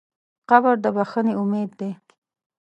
قبر د بښنې امید دی.